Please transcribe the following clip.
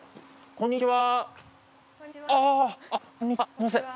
こんにちは。